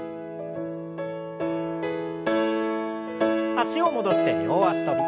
脚を戻して両脚跳び。